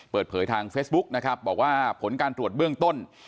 เปิดเผยทางเฟซบุ๊กนะครับบอกว่าผลการตรวจเบื้องต้น